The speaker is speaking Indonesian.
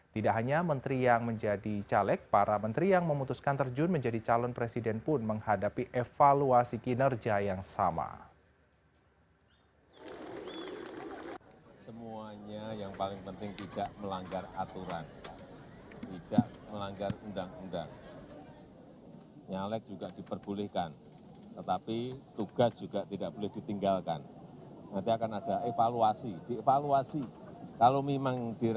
tidak hanya menteri yang menjadi caleg para menteri yang memutuskan terjun menjadi calon presiden pun menghadapi evaluasi kinerja yang sama